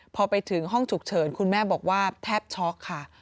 พอไปถึงห้องฉุกเฉินคุณแม่บอกว่าแทบช็อกค่ะ